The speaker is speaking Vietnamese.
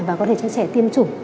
và có thể cho trẻ tiêm chủng